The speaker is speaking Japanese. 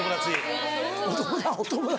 お友達。